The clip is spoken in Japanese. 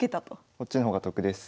こっちの方が得です。